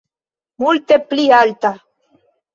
Multe pli alta.